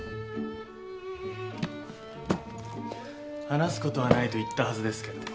話すことはないと言ったはずですけど。